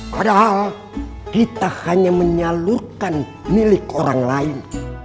padahal kita hanya menyalurkan milik orang lain